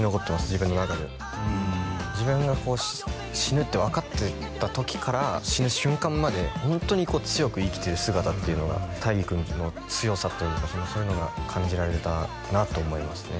自分の中で自分が死ぬって分かってた時から死ぬ瞬間までホントに強く生きてる姿っていうのが大義君の強さというかそういうのが感じられたなと思いますね